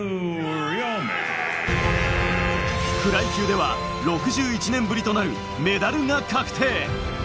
フライ級では６１年ぶりとなるメダルが確定。